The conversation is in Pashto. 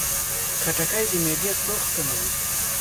خټکی د معدې سوخت کموي.